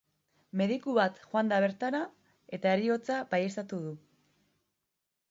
Mediku bat joan da bertara, eta heriotza baieztatu du.